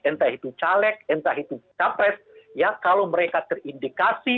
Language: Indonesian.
entah itu caleg entah itu capres ya kalau mereka terindikasi